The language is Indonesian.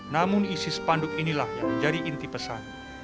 namun isi spanduk inilah yang menjadi inti pesan